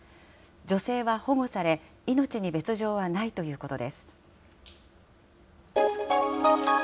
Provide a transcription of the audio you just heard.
女性は保護され、命に別状はないということです。